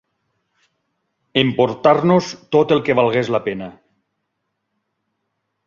Emportar-nos tot el que valgués la pena